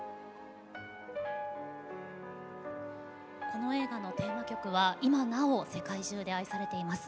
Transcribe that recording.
この映画のテーマ曲は世界中で今なお愛され続けています。